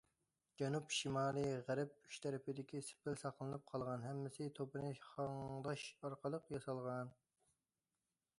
جەنۇب، شىمالىي، غەرب ئۈچ تەرىپىدىكى سېپىل ساقلىنىپ قالغان، ھەممىسى توپىنى خاڭداش ئارقىلىق ياسالغان.